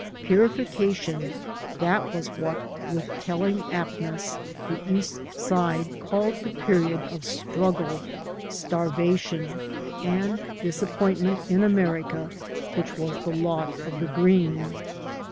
Purification — ^that was what, with telling aptness, the East Side called the period of struggle, starvation, and dis appointment in America, which was the lot of the green.